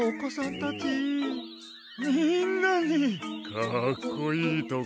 かっこいいとこ。